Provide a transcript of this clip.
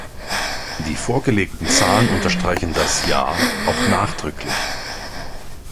Die vorgelegten Zahlen unterstreichen das ja auch nachdrücklich.